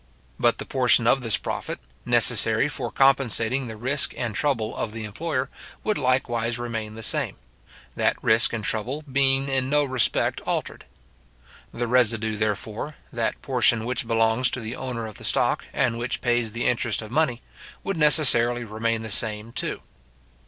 But the portion of this profit, necessary for compensating the risk and trouble of the employer, would likewise remain the same; that risk and trouble being in no respect altered. The residue, therefore, that portion which belongs to the owner of the stock, and which pays the interest of money, would necessarily remain the same too.